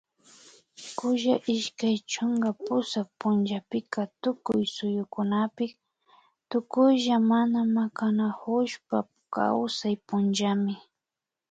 kulla ishkay chunka pusak punllapika tukuy suyukunapi tukuylla mana makanakushpa kawsay punllami